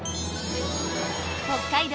北海道・